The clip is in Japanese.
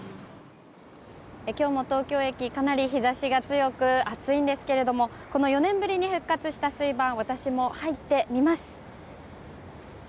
今日も東京駅かなり日差しが強く暑いんですけれども４年ぶりに復活した水盤私も入ってみます。